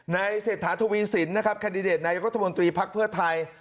ในเศรษฐาธุวีสินคาดิเดตนายกด์ข้อมูลตีภักดิ์เพื่อไทย